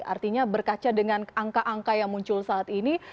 artinya berkaca dengan angka angka yang muncul saat ini